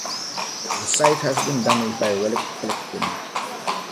The site has been damaged by relic collecting.